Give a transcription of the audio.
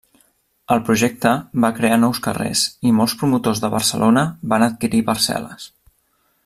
El projecte va crear nous carrers i molts promotors de Barcelona van adquirir parcel·les.